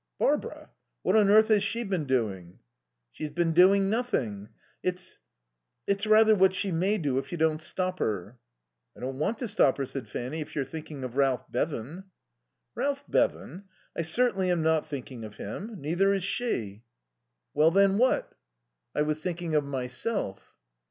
"Barbara? What on earth has she been doing?" "She's been doing nothing. It's it's rather what she may do if you don't stop her." "I don't want to stop her," said Fanny, "if you're thinking of Ralph Bevan." "Ralph Bevan? I certainly am not thinking of him. Neither is she." "Well then, what?" "I was thinking of myself."